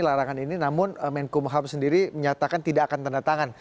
larangan ini namun menkumham sendiri menyatakan tidak akan tanda tangan